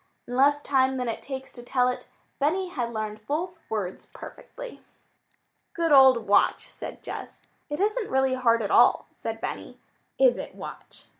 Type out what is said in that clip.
In less time than it takes to tell it, Benny had learned both words perfectly. "Good old Watch," said Jess. "It isn't really hard at all," said Benny. "Is it, Watch?"